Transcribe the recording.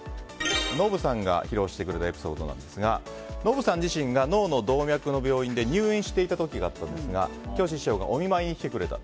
ノブさんが、披露してくれたエピソードですがノブさん自身が脳の動脈の病気で入院していた時があったんですがきよし師匠がお見舞いに来てくれた。